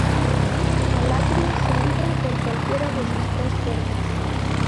Al atrio se entra por cualquiera de sus tres puertas.